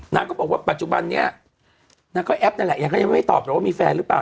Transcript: นางก็บอกว่าปัจจุบันนี้นางก็แอปนั่นแหละยังก็ยังไม่ตอบหรอกว่ามีแฟนหรือเปล่า